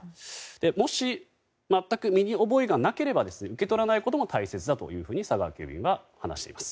もし、全く身に覚えがなければ受け取らないことも大切だというふうに佐川急便は話しています。